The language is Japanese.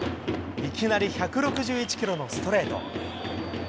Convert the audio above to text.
いきなり１６１キロのストレート。